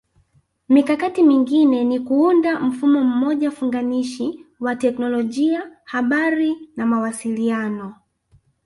Mikakati mingine ni kuunda mfumo mmoja funganishi wa Teknolojia Habari na Mawasiliano